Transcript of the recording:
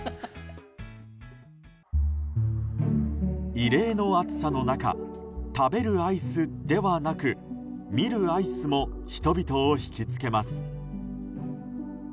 異例の暑さの中食べるアイスではなく見るアイスも人々を引きつけます。